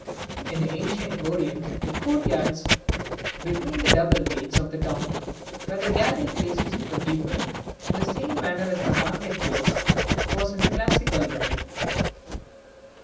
(In the ancient Orient the court yards between the double gates of the town were the gathering places of the people, in the same manner as the market place was in the classical world.)